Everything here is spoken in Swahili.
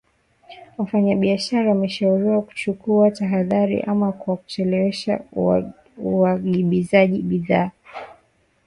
Wafanyabiashara wameshauriwa kuchukua tahadhari, ama kwa kuchelewesha uagizaji bidhaa au kutumia njia mbadala ya kati “Central Corridor”